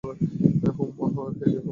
হুমম, oh hey, দেখো।